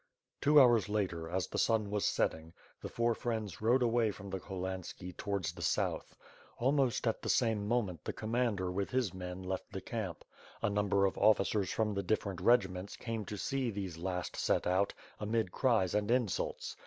Two hours later, as the sun was setting, the four friends rode away from the Cholhanski towards the South. Almost at the same moment the commander with his men left the camp. A number of officers from the different regiments, came to see these last set out, amid cries *and insults.